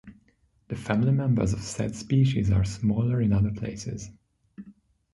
The family members of said species are smaller in other places.